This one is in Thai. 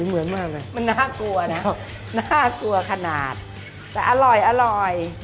เหมือนมากเลยมันน่ากลัวนะน่ากลัวขนาดแต่อร่อยอร่อย